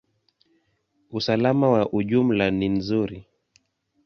Usalama kwa ujumla ni nzuri.